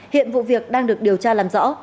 hiện vụ việc đang được điều tra làm rõ